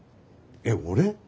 えっ俺？